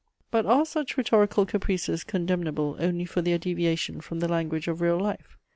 But are such rhetorical caprices condemnable only for their deviation from the language of real life?